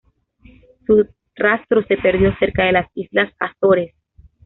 Su rastro se perdió cerca de las islas Azores.